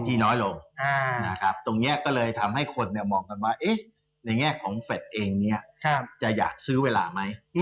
น้อยลงนะครับตรงนี้ก็เลยทำให้คนมองกันว่าในแง่ของเฟสเองเนี่ยจะอยากซื้อเวลาไหม